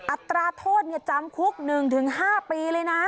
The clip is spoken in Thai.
อัตราโทษจำคุก๑๕ปีเลยนะ